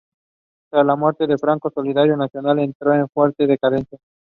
Few of his own paintings are very well known.